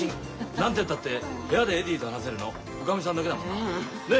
何てったって部屋でエディと話せるのおかみさんだけだもんな。ね！